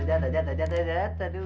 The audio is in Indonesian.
jatah jatah jatah jatah duit